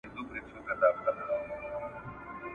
موږ باید په انټرنیټ کې د کره معلوماتو پسې وګرځو.